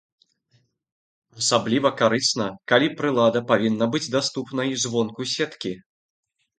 Асабліва карысна, калі прылада павінна быць даступнай звонку сеткі.